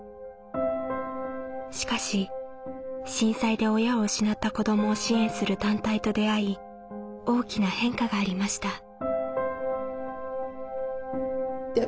しかし震災で親を失った子どもを支援する団体と出会い大きな変化がありました。